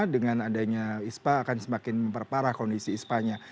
dengan adanya ispa akan semakin memperparah kondisi ispanya